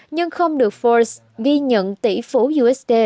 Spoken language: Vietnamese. nhưng không được forbes ghi nhận tỷ phú